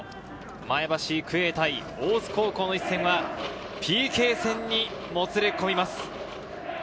前橋育英対大津高校の一戦は、ＰＫ戦にもつれ込みます。